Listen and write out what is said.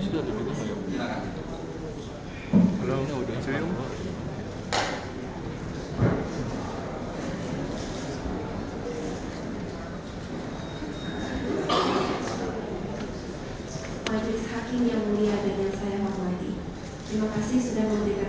untuk kesempatan pertama kita persilahkan pada duk dagwa